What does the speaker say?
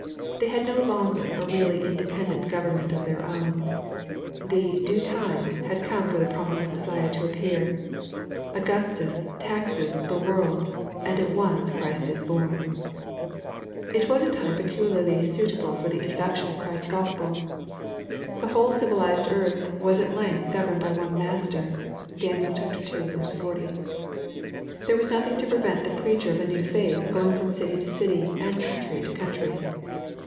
They had no longer a really inde pendent government ef their own. The "due time" had come for the promised Messiah to appear. Augustus taxes " the world/' and at once Christ is bom. It was a time peculiarly suitable for the introduction of 8 i 50 SXPOSITOBT THOUGHTS. Christ's Gospel. The whole civilized earth was at length governed by one master. (Dan. ii. 40.) There was nothing to prevent the preacher of a new faith going from city to city, and country to country.